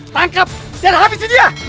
tangkap dan habisi dia